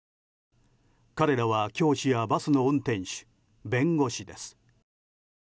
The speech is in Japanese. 彼らは教師やバスの運転手弁護士です。